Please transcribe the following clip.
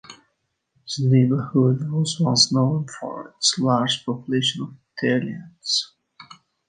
The neighborhood was once known for its large population of Italians.